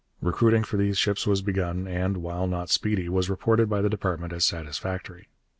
Recruiting for these ships was begun and, while not speedy, was reported by the department as satisfactory.